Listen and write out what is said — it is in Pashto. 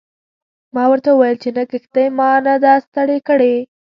ما ورته وویل چې نه کښتۍ ما نه ده ستړې کړې.